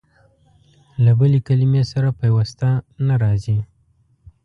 له بلې کلمې سره پيوسته نه راځي.